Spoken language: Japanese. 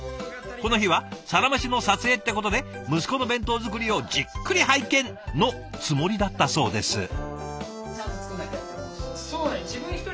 この日は「サラメシ」の撮影ってことで息子の弁当作りをじっくり拝見！のつもりだったそうです。